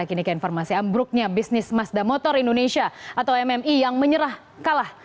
kini ke informasi ambruknya bisnis mazda motor indonesia atau mmi yang menyerah kalah